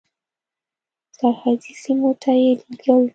سرحدي سیمو ته یې لېږل.